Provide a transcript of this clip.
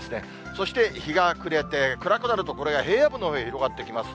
そして日が暮れて、暗くなると、これが平野部のほうへ広がってきます。